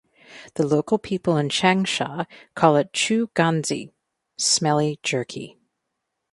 The local people in Changsha call it "chou ganzi" (smelly jerky).